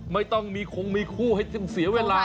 ไม่ต้องมีคงมีคู่ของเค้าจะสี่เวลา